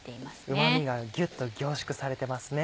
うま味がギュっと凝縮されてますね。